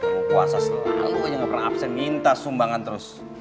mau puasa selalu aja gak pernah absen minta sumbangan terus